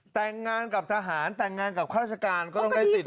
แต่งงานกับทหารแต่งงานกับข้าราชการก็ต้องได้สิท